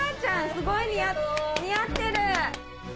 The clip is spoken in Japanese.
すごい似合ってる。